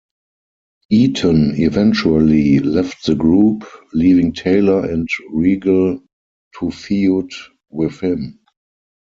Eaton eventually left the group, leaving Taylor and Regal to feud with him.